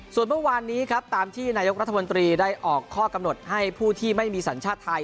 ส่วนเมื่อวานนี้ครับตามที่นายกรัฐมนตรีได้ออกข้อกำหนดให้ผู้ที่ไม่มีสัญชาติไทย